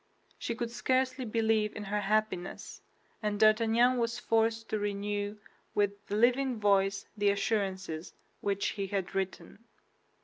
She could scarcely believe in her happiness; and D'Artagnan was forced to renew with the living voice the assurances which he had written.